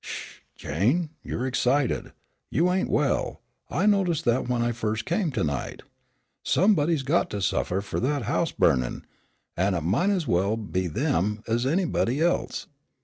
"Sh Jane, you're excited, you ain't well; I noticed that when I first come to night. Somebody's got to suffer fur that house burnin', an' it might ez well be them ez anybody else.